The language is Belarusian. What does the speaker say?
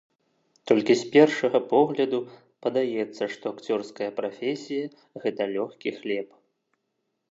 Толькі з першага погляду падаецца, што акцёрская прафесія гэта лёгкі хлеб.